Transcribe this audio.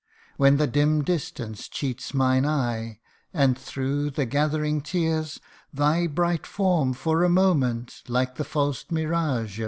When the dim distance cheats mine eye, and through the gathering tears Thy bright form, for a moment, like the false mirage appears.